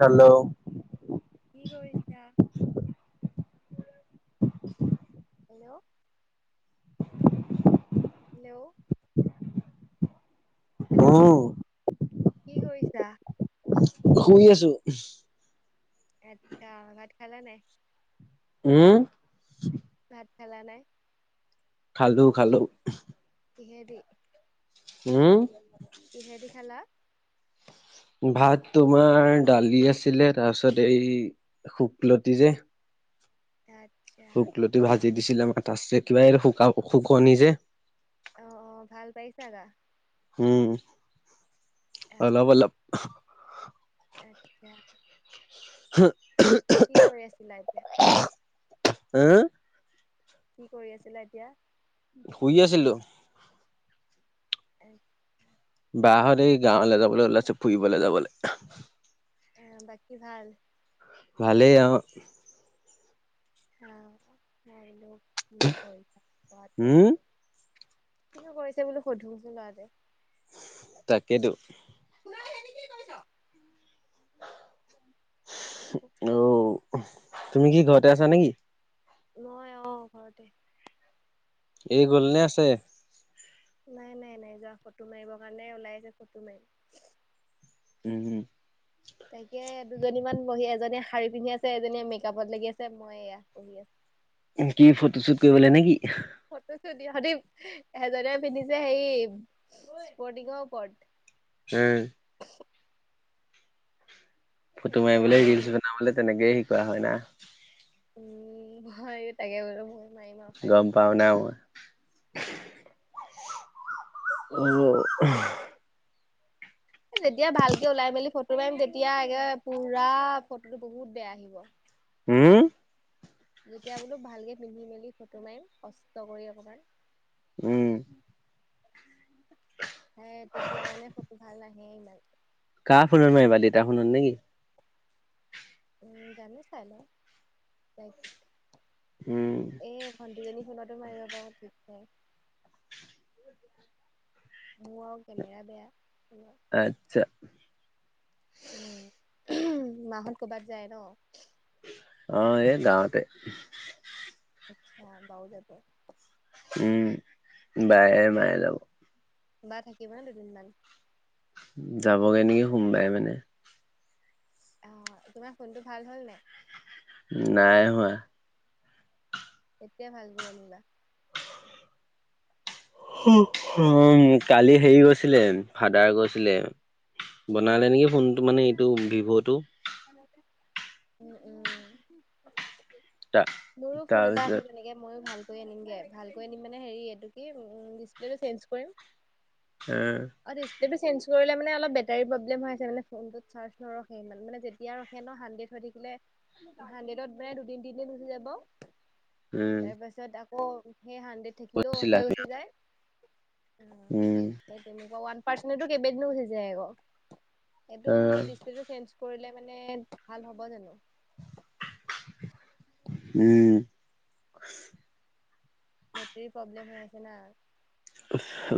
Hello কি কৰিছা? Hello hello hello অ', কি কৰিছা? শুই আছো। আচ্ছা ভাত খালা নাই? উম, ভাত খালা নাই? খালোঁ খালোঁ। কিহেদি? উম, কিহেদি খালা? ভাত তোমাৰ দালি আছিলে, তাৰপিছত এই শুকলতি যে তাত শুকলতি ভাজি দিছিলে আমাৰ ত কিবা শুক শুকনি যে অ' অ' ভাল পাইছা গা? উম, অ অলপ অ, অলপ আচ্ছা হা কি কৰি আছিলা এতিয়া? [unintelligible] কি কৰি আছিলা এতিয়া? শুই আছিলো। [unintelligible] বাহৰ এই গাঁৱলৈ যাবলৈ ওলাইছে, ফুৰিবলৈ যাবলৈ। আহ বাকী ভাল। ভালেই আহ। হা মই বোলো কি কৰিছা ল'ৰাটো উম কিনো কৰিছে ব বোলো সোধোচোন ল'ৰাটো তাকেইেতো অ' তুমি কি ঘৰতে আছা নেকি? মই আহ ঘৰতে এই গলনে আছে? নাই নাই নাই যোৱা ফটো মাৰিবৰ কাৰণে ওলাই আছে ফটো মাৰিম। উম, উম। তাকে দুজনীমান বহি এজনীয়ে শাড়ী পিন্ধি আছে, এজনীয়ে মেকআপত লাগি আছে, মই এয়া বহি আছো। কি ফটো চুট কৰিবলে নেকি? ফটোছোট সিহঁতে এজনে পিন্ধিছে সেই স্পৰ্টিঙৰ ওপৰত উম। ফটো তাকে মাৰিবলৈ ৰিলচ ময়ো বনাবলৈ তেনেকেই শিকোৱা হয় না উম ভোৱাৰ তাকে বোলো মই মাৰিম আৰু শাড়ী গম পাও এখন না মই। আৰু যেতিয়া ভালকে ওলাই মেলি ফটো মাৰিম তেতিয়া একে পুৰা ফটোটো বহুত বেয়া আহিব। উম। যেতিয়া বোলো ভালকে পিন্ধি মেলি ফটো মাৰিম কষ্ট কৰি অকমান উম। সে তেতিয়া মানে ফটো ভাল নাহে ইমান। কা ফোনত মাৰিবা দেইতা ফোনত নেকি? উম, জানো চাই লওঁ উম, এ ভণ্টিজনী ফোনতো মাৰিব পাৰো ঠিক নাই। মোৰ আও কে মেৰা বেয়া। আচ্ছা। উম, মাহত ক'ৰবাত যায় ন। অ' এই গাওঁতে আচ্ছা বা ও যাব। উম, বায়ে বায়ে যাব। বা থাকিব ন দুদিনমান। যাবগে নেকি সোমবাই মানে। আহ তোমাৰ ফোনটো ভাল হ'ল নাই নাই হোৱা। এতিয়া ভালকৈ আনিবা উ উম কালি হেৰি গৈছিলে ফাদাৰ গৈছিলে উম বনালে নেকি, ফোনটো মানে এইটো ভিভ'টো উ, উম, তা মোৰো ফোন এটা আছে তাৰপিছত কেনেকে মইো ভাল ভালকৈ আনিমগে ভালকৈ আনিম মানে হেৰি এইটো কি ডিচপ্লেটো চেঞ্জ কৰিম। উম। সেইটো চেঞ্জ কৰিলে মানে অলপ বে তাই প্ৰব্লেম হৈ আছে মানে ফোনতোত চাৰ্জ নৰখে মানে যেতিয়া ৰখে ন হাড্ৰেড হৈ থাকিলে হাড্ৰেড ত মানে দুদিন তিনিদিন গুচি যাব উম, তাৰ পাছত আকৌ সেই হাড্ৰেড থাকিলেও অফ কৈছিলা হৈ গুচি যায়, উম, সেই তেনেকুৱা পাৰ্চনেলো কেইবদিনো গুছি যায় আকৌ এইটো অ' ডিচপ্লেটো চেঞ্জ কৰিলে মানে ভাল হ'ব জানো? উম। বেটৰীৰ প্ৰব্লেম হৈ আছে না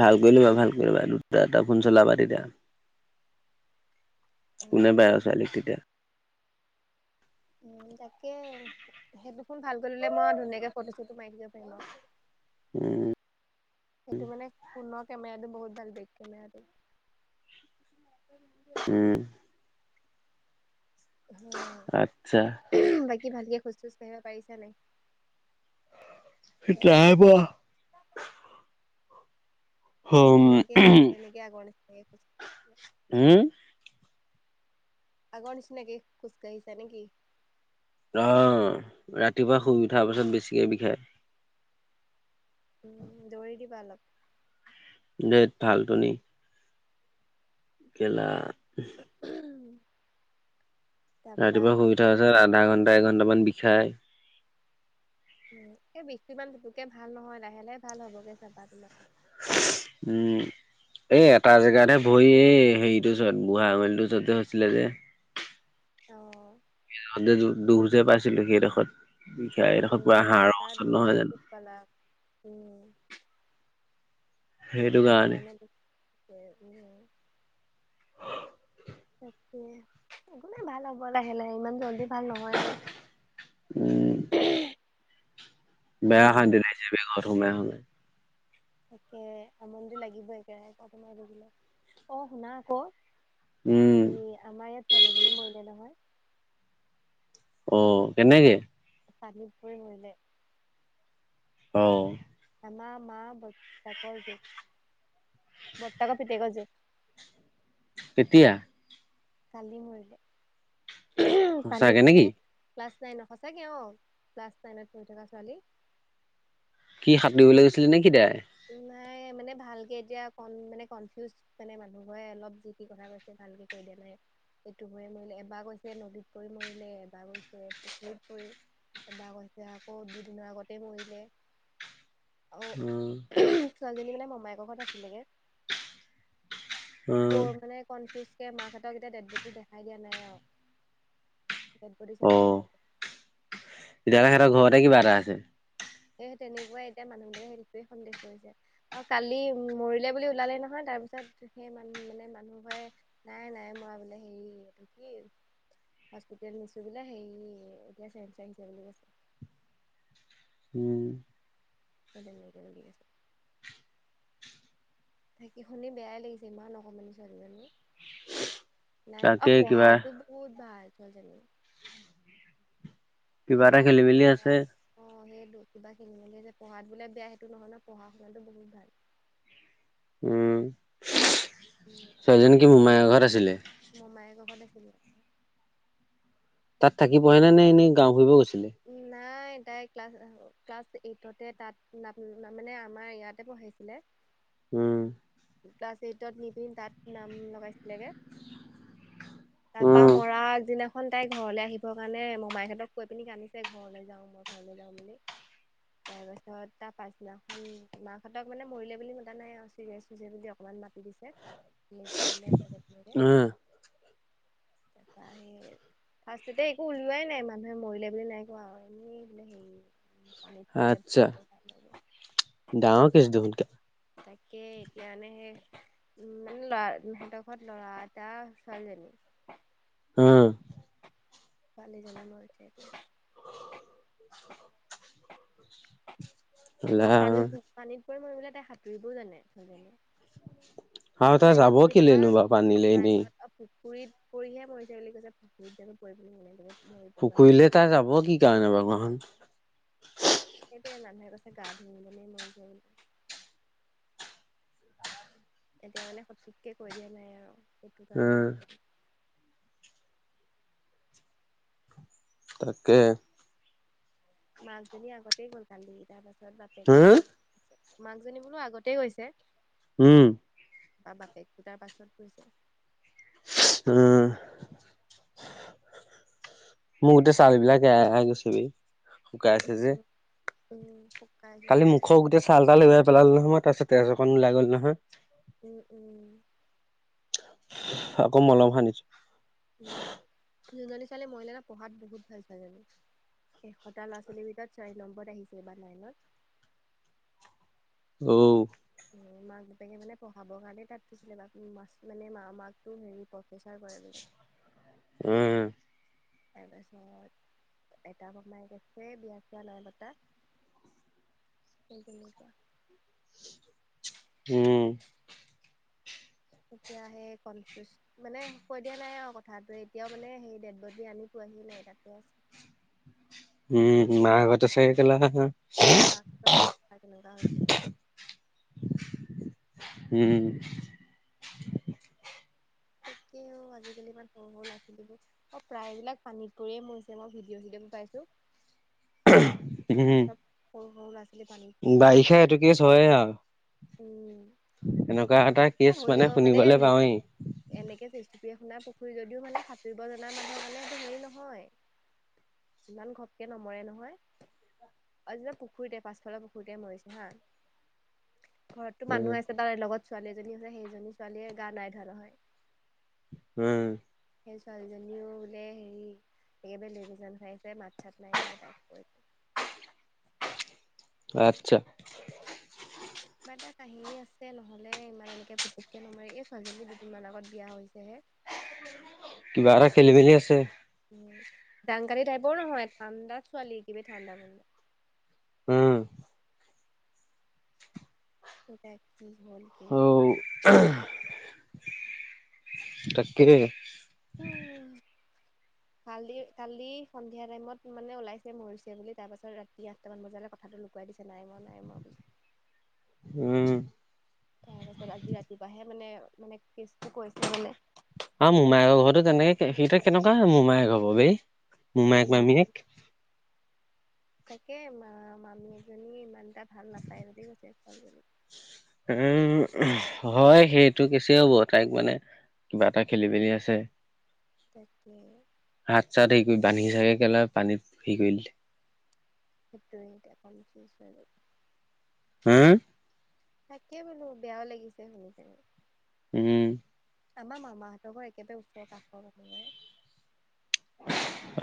ভাল কৰি লবা ভাল কৰিবা দুটা দুটা ফোন চলাবা তেতিয়া। কোনে বায় উম আৰু ছোৱালীক তেতিয়া উম, তাকে সেইটোখন ভাল কৰি ল'লে, মই ধুনীয়াকে ফটো চটো মাৰি থাকিব পাৰিম আৰু সেইটো মানে ফোনত কেমেৰাটো বহুত ভাল, বেক কেমেৰাটো। উম। আচ্ছা অ' বাকী ভালকে সোজোজ কঢ়িব পাৰিছা নাই। নাই পোৱা। হম কেনেকে তেনেকে আগৰ নিচিনাকে হম আগৰ নিচিনাকি খোজকাঢ়িছা নেকি? আহ ৰাতিপুৱা শুই উঠাৰ পাছত বেছিকে বিষায়। উম, দৌৰি দিবা অলপ দেট ভাল তুনি [unintelligible] তাৰপা ৰাতিপুৱা শুই উঠাৰ পাছত আধা ঘণ্টা এঘন্টামান বিষাই। উম এই বিষটো ইমান পোটোকে ভাল নহয় লাহে লাহে ভাল হ'ব গে চাবা তোমাৰ। উম। এই এটা জেগাতহে ভৰি এই হেৰিটোৰ ওচৰত বুঢ়া আঙুলিতো ওচৰত হৈছিলে যে অ' সঁতে দুখ যে পাইছিলো সেইডোখত উম, সেই তাত বেছি জানো দোষ পালা, উম। সেইটো কাৰণে উম। তাকে কোনে ভাল হ'ব লাহে লাহে ইমান জল্দি ভাল নহয় আৰু উম বেয়া উম, অশান্তি দেছে বে ঘৰত সোমাই সোমাই তাকে আমনিটো লাগিব, একেক ৰাহে ঘৰত সোমাই থাকিলে, অ শুনা আকৌ উম হে আমাৰ ইয়াত ছোৱালী এজনী মৰিলে নহয়। অ' কেনেকে পানীত পৰি মৰিলে। অ' আম মা বতাক জিয়েক বৰৰ্তাক পিতেক জিয়েক কেতিয়া কালি মৰিলে সঁচাকে পানীত মানে নেকি ক্লাছ নাইন সচাকে অ' ক্লাছ নাইনত পঢ়ি থকা ছোৱালী কি সাতৰিবলৈ গৈছিলে নে কি তাই নাই মানে। মানে ভালকে এতিয়া ক মানে কনফিউজ মানে মানুহ ঘৰে অলপ যি কি কথা কৈছে ভালকে কৈ দিয় নাই এইটো কৰি মৰিলে এবাৰ কৈছে নদীত পৰি মৰিলে এবাৰ গৈছে পুখুৰীত পৰি এবাৰ কৈছে আকৌ দুদিনৰ আগতে মৰিলে। অ উম। ছোৱালীজনী মানে মমাইকৰ ঘৰত আছিলেগে উম, অ' মানে কনফিউজ এ মাকহঁতক এতিয়া ডেট বডি দেখাই দিয়া নাই আৰু ডেডবডি চাব অ', নাই তেতিয়াহ'লে সিহঁতৰ ঘৰতে কিবা এটা আছে। সেই তেনেকুৱাই এতিয়া মানুহবিলাকে সেইটোৱেই সন্দেহ কৰিছে আৰু কালি মৰিলে বুলি ওলালে নহয় তাৰ পিছত সেই মান মানে মানুহবোৰে নাই নাই মৰা বোলে হেৰি এইটো কি হস্পিতেল নিছো বোলে সেই এতিয়া চেঞ্জচ আহিছে বুলি কৈছে। হম [unintelligible] থাকি শুনি বেয়াই লাগিছে ইমান অকণমানি ছোৱালীজনী। নাই ন অ তাকে কিবা, পঢ়াটো বহুত ভাল ছোৱালী জনীৰ কিবা এটা পঢ়াত খেলি বোলে মেলি আছে। বেয়াত অ' সেই কিবা খিনি ম পঢ়াত বোলে বেয়া সেইটো নহয় ন পঢ়া শুনাতটো বহুত ভাল উম, ছোৱালীজনীকী উম, কি মোমায়াৰ ঘৰত আছিলে। মমায়েকৰ [unintelligible] তাত থাকি পঢ়ে নে নে এনেই গাওঁ ফুৰিব গৈছে। উম, নাই নাই তাই ক্লাছ ক্লাছ এইটতে তাত মানে আমাৰ ইয়াতে পঢ়াইছিলে উম। ক্লাছ এইটত নিপিনে তাত নাম লগাইছিলেগে তাৰপা উম, মৰা আগদিনাখন তাই ঘৰলৈ আহিবৰ কাৰণে মমাইহঁতক কৈ পিনি কানিছে তে ঘৰলৈ যাওঁ, মই ঘৰলৈ যাওঁ বুলি। তাৰপিছত তাৰ পাছদিনাখন মাকহঁতক মানে মৰিলে বুলি মতা নাই চিৰি চৰিয়েচ হৈছে বুলি অকমান মাতি দিছে বুলি কৰিলে তাতে সেনেকে উম, তাৰপা হে ফাৰ্ষ্ট একো উলোৱাই নাই ম মানুহে মৰিলে বুলি নাই কোৱা আৰু এনেইোে হেৰি পানীত পৰিলে আচ্ছা, ডাঙৰ কেছ দেখোন [unintelligible] তাকে এতিয়ানে সেই উম মানে ল'ৰা এটা সিহঁতৰ ঘৰত ল'ৰা এটা ছোৱালীজনী। হা ছোৱালী জনীৰ মৰিছে এতিয়া। অ' পানীত পানীত পৰি ম বলে তাই সাঁতুৰিবোৰও জানে আৰু তাই নাইনত যাব পঢ়ি থকা কেলেনো বাৰু পানীলে এনেই? নাইনত পুুৰীত পৰিহে পৰিৰিছে বুলি কৈছে পুুৰীত জানো পৰিবলৈ মে পুখুৰীলে তাৰ যাব কি কাৰণে বাৰু কোৱাচোন। মানুহে কছে গা ধুই মে মইছে বোলি। এতিয়া মানে সঠিককে কৈ দিয়া নাই আৰু সেইটো কাৰণে উম, সকলো তাকে মাকজনী আগতেই গ'ল কালিহি তাৰ পাছত বাপেকতটো হম, গ'ল তাৰপাছত মাকজনী বোলো আগতে গৈছে। উম। বা বাপেকটো তাৰ পাছত গৈছে। উম। মোৰ গোটেই চউল বিলাক এৰাই এৰাই গৈছেগে শুকাই আছে যে শুকাইছে কালি কাৰণে মুখক গোটেই চাল তাল এৰোৱাই পেলালে নহয়। তাৰপাছতে আছ কো লাগল নহয়। উম, উম। আকৌ মলম হানিছো উম, যোনজনী ছোৱালী মৰিলে পঢ়াত বহুত ভাল ছোৱালীজনীৰ এশটা ল'ৰা ছোৱালীৰ ভিতৰত চাৰি নম্বৰত আহিছেবাৰ নাইনত অ' মাক দেউতাকে মানে পঢ়াবৰ কাৰণে তাত থৈছিলে বা মানে মা মাকো হেৰি প্ৰফেচাৰ কৰে বোলে। [unintelligible] উম তাৰপাছত এটা বৰমাই কৈছে আছে বিয়া ছিয়া নাই পতা সেই তেনেকুৱা উম। এতিয়া সেই কনফিউজ মানে কৈ দিয়া নাই আৰু কথাাতটো এতিয়াও মানে সেই ডেদবডি আনি পোৱা বি নাই তাটে আছে। উম, মাকহত আছে [unintelligible] মাকহঁতৰ অৱস্থা কেনেকুৱা হৈছে। উম। তাকেও আজিকালি ইমান সৰু সৰু ল'ৰা ছোৱালীবোৰ অ' প্ৰায়বিলাক পানীত পৰিয় মৰিছে মই ভিডিঅ' ভিডিঅ ম পাইছো [unintelligible] এইবাৰ উম, চ'ব সৰু সৰু ল'ৰা ছোৱালী পানীত পৰি পৰি মৰিছে বাৰিষা এইটো কেছ হয় আৰু উম। এনেকুৱা এটা এ কেছ হ'লেও মানে শুনিবলৈ পাওঁৱেই জেচিপি শুনা পুখুৰী যদিও মানে সাঁতুৰিব জনা মানুহৰ কাৰণে এইটো হেৰি নহয় ইমান ঘপকে নমৰে নহয়। অজি পুখুৰীতে পাছফালৰ পুখুৰীতে মৰিছে হা ঘৰতো উম, মানুহ আছে তাৰ লগত ছোৱালী এজনী আছে সেইজনী ছোৱালীয়ে গা নাই ধোৱা নহয় উম। ছোৱালীজনীও বোলে হেৰি একেব লৈবজান খাইছে মাত চাত নাই বোলে তাইক কৈছো [unintelligible] আচ্ছা এয়া কাহিনী আছে নহ'লে ইমান এনেকে পুতুককে নমৰে এই ছোৱালীজনী দুদিনমান আগত বিয়া হৈছেহে। [unintelligible] কিবা এটা খেলি মেলি আছে। দাংকাতি টাইপৰ নহয় ঠাণ্ডা ছোৱালী কিবি ঠাণ্ডা মান উম। এটা কি হ'ল কি নহ'ল। অ' তাক কিলাগে উম। কালি কালি সন্ধিয়া টাইমত মানে ওলাইছে মৰিছে বুলি, তাৰ পাছত ৰাতি আঠটামান বজালৈ ক কথাটো লুকুৱাই দিছে নাই মৰা নাই মৰা উম। তাৰ পাছত আজি ৰাতিপুৱাহে মানে মানে কেচটো কৈছে মানে অ' মোমায়কৰৰ ঘৰো তেনেকে সেই কেনেকুৱা মোমাই হ'ব বেই। মোমাইক উম মামিয়েক তাকে ম মামিয়েক জনী ইমান ভাল নাপায় বুলি কৈছে ছোৱালী জনীক উম, হয় সেইটো কেছে হ'ব, তাইক মানে কিবা এটা খেলি মেলি আছে। তাকে হাত চাত হেৰি কৰি বান্ধি চাগে [unintelligible] পানীত হেৰি কৰি দিলে। সেটো আ হম তাকে বোলো বেয়াও লাগিছে। উম। আমাৰ মামাহঁত ঘৰ একেবাৰে ওচৰ কাষৰ নহে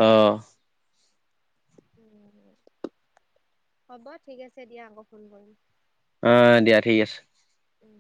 আহ উম হ'ব ঠিক আছে দিয়া আকৌ ফোন কৰিম। অ' দিয়া ঠিক আছে। উম